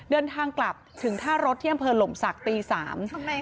เดินทางกลับถึงท่ารถที่อำเภอหลมศักดิ์ตีสาม